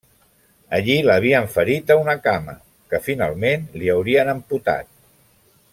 Allí l'havien ferit a una cama, que finalment li haurien amputat.